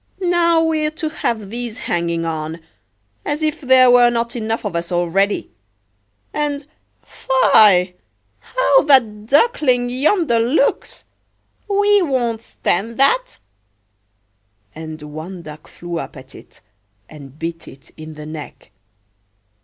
now we're to have these hanging on, as if there were not enough of us already! And—fie!—how that Duckling yonder looks; we won't stand that!" And one duck flew up at it, and bit it in the neck.